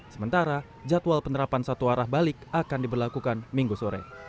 sementara jadwal penerapan satu arah balik akan diberlakukan minggu sore